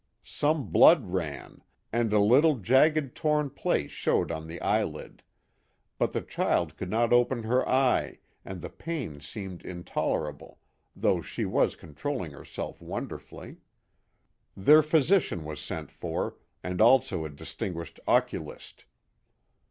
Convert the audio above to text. Some blood ran, and a little jagged torn place showed on the eyelid ; but the child could npt open her eye and the pain seemed intolerable, though she was controlling herself wonderfully. Their physician was sent for, and also a dis tinguished oculist.